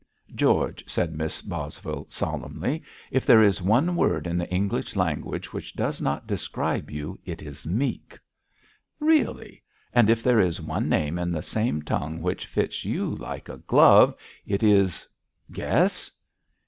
'George,' said Miss Bosvile, solemnly, 'if there is one word in the English language which does not describe you, it is "meek."' 'Really! and if there is one name in the same tongue which fits you like a glove, it is guess!'